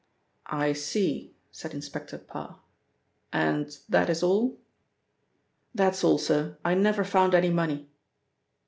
"I see," said Inspector Parr. "And that is all?" "That's all, sir. I never found any money."